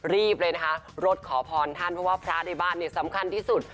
รีบเลยนะคะรถขอพรท่านเพราะว่าพระในบ้านเนี่ยสำคัญที่สุด